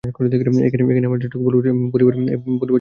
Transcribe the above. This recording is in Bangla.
এখন আমার যেটুকু বলিবার ছিল, বলিলাম।